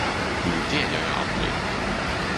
Nej, det gör jag aldrig!